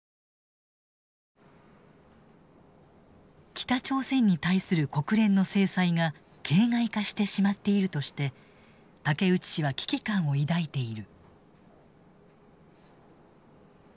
北朝鮮に対する国連の制裁が形骸化してしまっているとして竹内氏は危機感を抱いている。